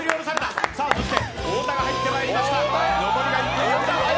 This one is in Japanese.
そして太田が入ってまいりました。